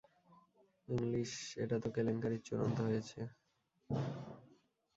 English, এটা তো কেলেঙ্কারির চূড়ান্ত হয়েছে।